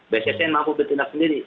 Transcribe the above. bssn mampu bertindak sendiri